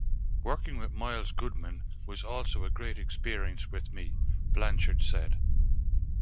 "Working with Miles Goodman was also a great experience with me," Blanchard said.